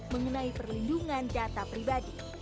mengenai perlindungan data pribadi